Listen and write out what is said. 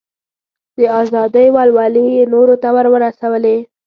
د ازادۍ ولولې یې نورو ته ور ورسولې.